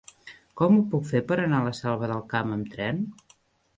Com ho puc fer per anar a la Selva del Camp amb tren?